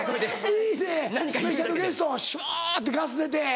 いいねスペシャルゲストシュワってガス出て。